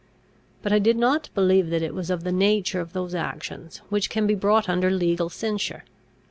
But I did not believe that it was of the nature of those actions which can be brought under legal censure.